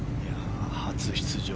初出場